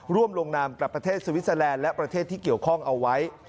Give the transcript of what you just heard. ร่วมลงนามกับประเทศสวิสเตอร์แลนด์และประเทศที่เกี่ยวข้องเอาไว้